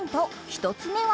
１つ目は。